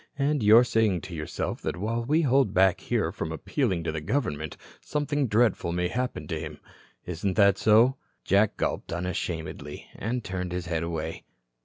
And you're saying to yourself that while we hold back here from appealing to the government, something dreadful may happen to him. Isn't that so?" Jack gulped unashamedly, and turned his head away.